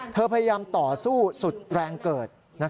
พยายามต่อสู้สุดแรงเกิด